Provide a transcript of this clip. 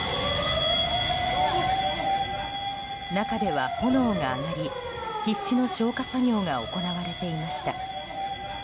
中では炎が上がり、必死の消火作業が行われていました。